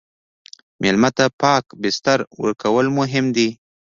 مېلمه ته پاک بستر ورکول مهم دي.